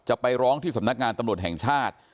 จะไปร้องที่สำนักงานตำรวจแห่งชาติ